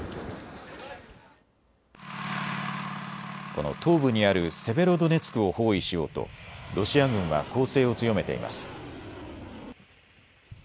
この東部にあるセベロドネツクを包囲しようとロシア軍は攻勢を強めています。